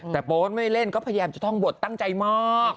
แต่โป๊ตไม่เล่นก็พยายามจะท่องบทตั้งใจมาก